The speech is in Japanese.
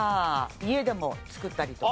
家でも作ったりとか。